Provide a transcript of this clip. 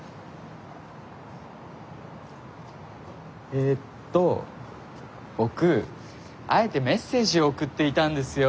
えっと僕あえてメッセージを送っていたんですよ。